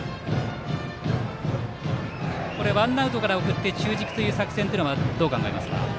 ワンアウトから送って中軸という作戦はどう考えますか。